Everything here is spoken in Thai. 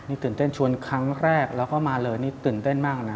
นี่ตื่นเต้นชวนครั้งแรกแล้วก็มาเลยนี่ตื่นเต้นมากนะ